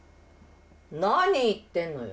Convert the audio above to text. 何言ってんのよ。